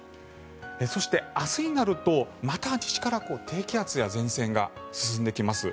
そして、明日になるとまた西から低気圧や前線が進んできます。